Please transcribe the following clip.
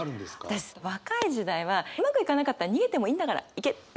私若い時代はうまくいかなかったら逃げてもいいんだから行け！っていう。